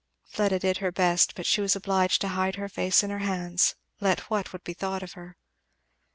Fleda did her best, but she was obliged to hide her face in her hands, let what would be thought of her.